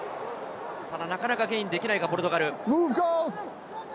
なかなかゲインできないか、ポルトガル。